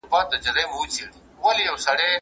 ستاسو سره په دې سفر کې پاتې کېدل زما لپاره یو تصادف و.